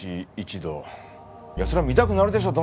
そりゃ見たくなるでしょ